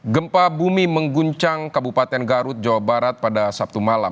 gempa bumi mengguncang kabupaten garut jawa barat pada sabtu malam